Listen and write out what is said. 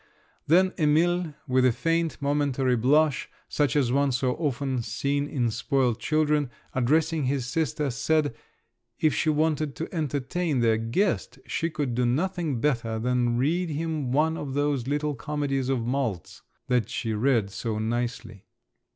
Then Emil, with a faint momentary blush, such as one so often sees in spoilt children, addressing his sister, said if she wanted to entertain their guest, she could do nothing better than read him one of those little comedies of Malz, that she read so nicely.